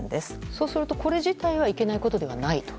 そうすると、これ自体はいけないことではないと。